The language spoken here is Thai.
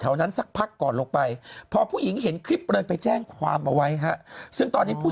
นั้นสักพักก่อนลงไปพอผู้หญิงเห็นคลิปเลยไปแจ้งความเอาไว้ฮะซึ่งตอนนี้ผู้